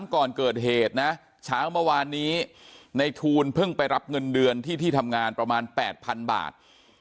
ก่อนเกิดเหตุนะเช้าเมื่อวานนี้ในทูลเพิ่งไปรับเงินเดือนที่ที่ทำงานประมาณ๘๐๐๐บาท